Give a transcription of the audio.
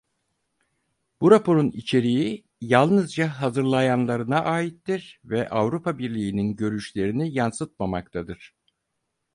Bu raporun içeriği yalnızca hazırlayanlarına aittir ve Avrupa Birliği’nin görüşlerini yansıtmamaktadır.